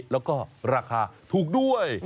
แล้วก็ราคาถูกด้วย